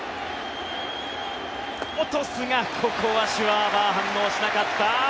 落とすが、ここはシュワバー、反応しなかった。